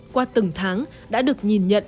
qua từng tháng đã được nhìn nhận